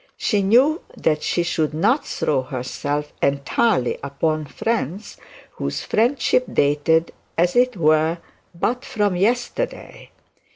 She knew that she should not throw herself entirely upon friends whose friendship dated as it were but from yesterday.